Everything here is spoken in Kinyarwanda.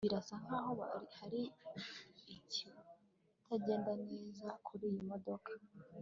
Birasa nkaho hari ikitagenda neza kuriyi modoka